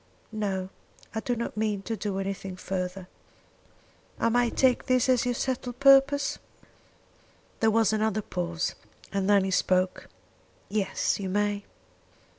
"No; I do not mean to do anything further." "I may take that as your settled purpose?" There was another pause, and then he spoke, "Yes; you may."